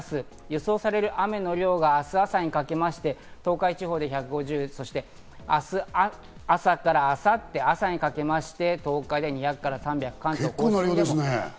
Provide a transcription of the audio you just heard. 予想される雨の量が明日朝にかけまして、東海地方で１５０ミリ、そして明日朝から明後日朝にかけまして、東海で２００から３００ミリ。